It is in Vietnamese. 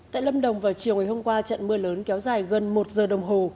tại lâm đồng vào chiều ngày hôm qua trận mưa lớn kéo dài gần một giờ đồng hồ